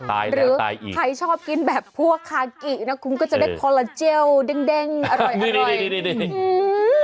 หรือใครชอบกินแบบพวกคากินะคุณก็จะได้คอลลาเจียลเด้งอร่อยอร่อย